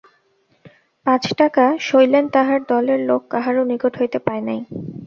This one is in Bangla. পাঁচ টাকা শৈলেন তাহার দলের লোক কাহারো নিকট হইতে পায় নাই।